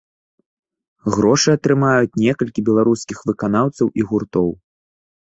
Грошы атрымаюць некалькі беларускіх выканаўцаў і гуртоў.